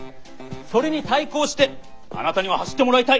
それに対抗してあなたには走ってもらいたい！